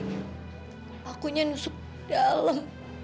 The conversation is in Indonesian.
pakunya nusuk dalam